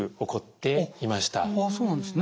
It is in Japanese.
そうなんですね。